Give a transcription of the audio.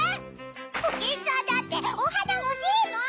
コキンちゃんだっておはなほしいもん！